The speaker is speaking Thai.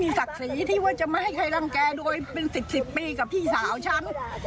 ศักดิ์ศรีที่ว่าจะมาให้ใครรังแกโดยเป็น๑๐ปีกับพี่สาวฉัน